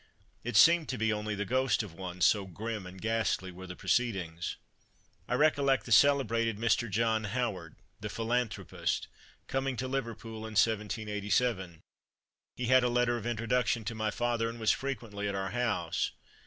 It seemed to be only the ghost of one, so grim and ghastly were the proceedings. I recollect the celebrated Mr. John Howard, "the philanthropist," coming to Liverpool in 1787. He had a letter of introduction to my father, and was frequently at our house.